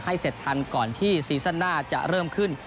เสร็จทันก่อนที่ซีซั่นหน้าจะเริ่มขึ้น